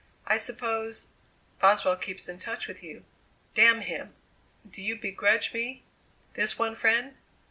"I suppose Boswell keeps in touch with you damn him!" "Do you begrudge me this one friend?"